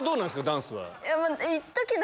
ダンスは。